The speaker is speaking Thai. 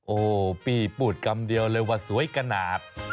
โอ้พี่พูดคำเดียวเลยว่าสวยขนาด